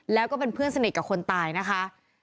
แล้วก็เป็นเพื่อนสนิทกับคนตายนะคะ